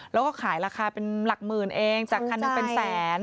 แล้วก็ขายราคาเป็นหลักหมื่นเองจากคันหนึ่งเป็นแสน